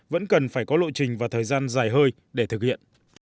vẫn cần phải có lộ trình và thời gian dài hơi để thực hiện